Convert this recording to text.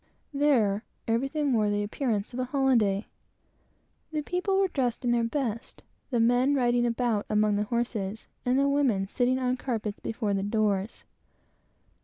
There, everything wore the appearance of a holyday. The people were all dressed in their best; the men riding about on horseback among the houses, and the women sitting on carpets before the doors.